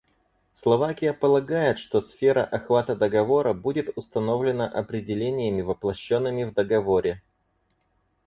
Словакия полагает, что сфера охвата договора будет установлена определениями, воплощенными в договоре.